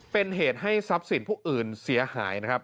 เป็นเหตุให้ทรัพย์สินผู้อื่นเสียหายนะครับ